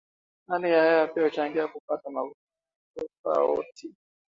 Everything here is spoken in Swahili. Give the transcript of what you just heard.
hali ya hewa pia huchangia kupata mavuno ya tofauti